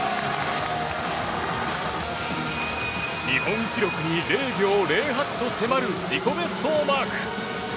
日本記録に０秒０８と迫る自己ベストをマーク。